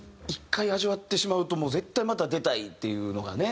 １回味わってしまうともう絶対また出たいっていうのがね。